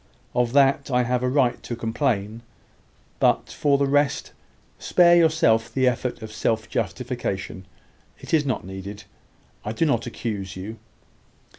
Of that I have a right to complain: but, for the rest, spare yourself the effort of self justification. It is not needed. I do not accuse you.